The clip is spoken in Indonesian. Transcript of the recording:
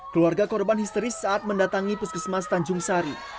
keluarga korban histeris saat mendatangi puskesmas tanjung sari